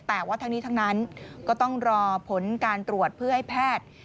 แต่ว่าทั้งนี้ทั้งนั้นก็ต้องรอผลการตรวจเพื่อให้แพทย์